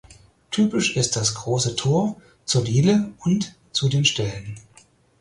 Typisch ist das große Tor zur Diele und zu den Ställen.